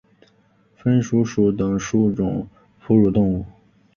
鼢鼠属等数种哺乳动物。